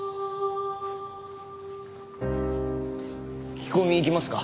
聞き込み行きますか？